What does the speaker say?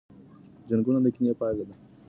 جنګونه د کینې پایله ده.